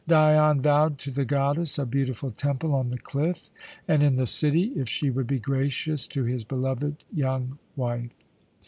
Dion vowed to the goddess a beautiful temple on the cliff and in the city if she would be gracious to his beloved young wife.